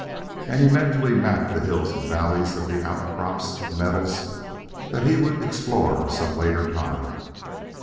And he mentally mapped the hills and valleys and the outcrops of metals that he would explore some later time.